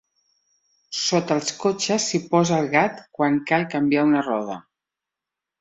Sota els cotxes s'hi posa el gat quan cal canviar una roda.